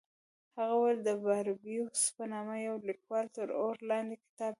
هغه وویل د باربیوس په نامه یوه لیکوال تر اور لاندې کتاب لیکلی.